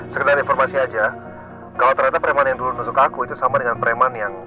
sedekhatno saja kalau terdapat teman yang dulu suka aku itu sama dengan preman yang melewati